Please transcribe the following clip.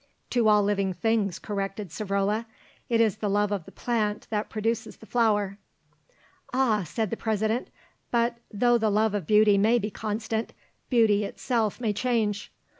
"To all living things," corrected Savrola. "It is the love of the plant that produces the flower." "Ah," said the President, "but, though the love of beauty may be constant, beauty itself may change.